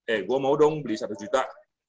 eh gue mau dong beli satu juta